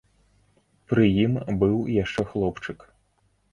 Пры ім быў яшчэ хлопчык.